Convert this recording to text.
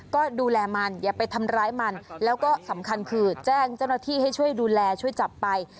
ก็ดูแลมันอย่าไปทำร้ายมันแล้วก็สำคัญคือแจ้งเจ้าหน้าที่ให้ช่วยดูแลช่วยจับไป